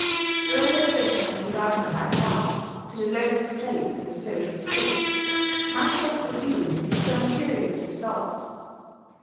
The relegation of the mercantile class to the lowest place in the social scale must have produced some curious results.